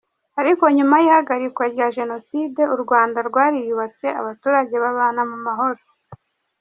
Ariko nyuma y’ihagarikwa rya Jenoside, u Rwanda rwariyubatse, abaturage babana mu mahoro.